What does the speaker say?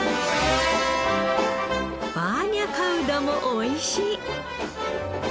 バーニャカウダもおいしい。